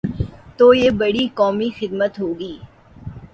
تو یہ بڑی قومی خدمت ہو گی۔